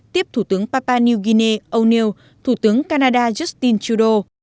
tiếp thủ tướng papua new guinea o neill thủ tướng canada justin trudeau